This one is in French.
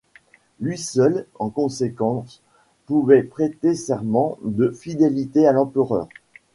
Lui seul en conséquence pouvait prêter serment de fidélité à l’empereur.